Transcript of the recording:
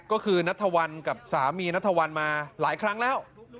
ก็คือนัทวันกับสามีนัทวันมาหลายครั้งแล้ว